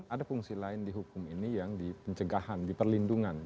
ada fungsi lain di hukum ini yang di pencegahan di perlindungan